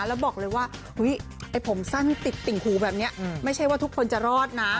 แล้วบอกเลยว่าไอ้ผมสั้นติดติ่งหูแบบนี้ไม่ใช่ว่าทุกคนจะรอดนะ